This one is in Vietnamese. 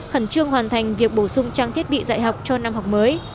khẩn trương hoàn thành việc bổ sung trang thiết bị dạy học cho năm học mới